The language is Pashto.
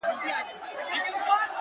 ستا په سترگو کي سندري پيدا کيږي؛